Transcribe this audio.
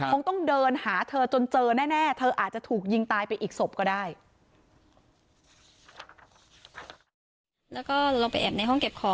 คงต้องเดินหาเธอจนเจอแน่เธออาจจะถูกยิงตายไปอีกศพก็ได้